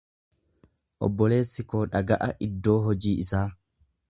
Obboleessi koo dhaga'a iddoo hojii isaa.